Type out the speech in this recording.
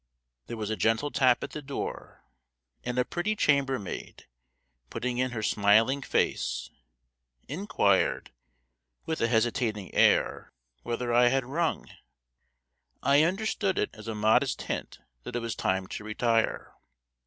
There was a gentle tap at the door, and a pretty chambermaid, putting in her smiling face, inquired, with a hesitating air, whether I had rung. I understood it as a modest hint that it was time to retire.